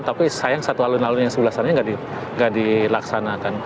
tapi sayang satu alun alun yang sebelah sana nggak dilaksanakan